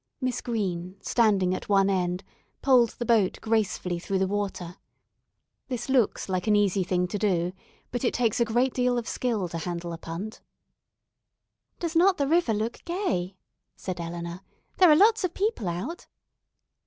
Miss Green, standing at one end, poled the boat gracefully through the water. This looks like an easy thing to do, but it takes a great deal of skill to handle a punt. "Does not the river look gay?" said Eleanor. "There are lots of people out."